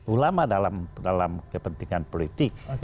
ulama dalam kepentingan politik